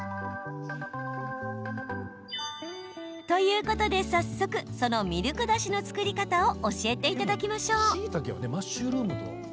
ということで早速そのミルクだしの作り方を教えていただきましょう。